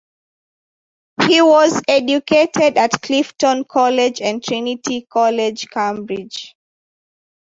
He was educated at Clifton College and Trinity College, Cambridge.